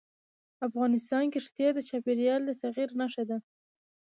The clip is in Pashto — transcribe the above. افغانستان کې ښتې د چاپېریال د تغیر نښه ده.